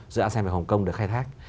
giữa asean và hồng kông được khai thác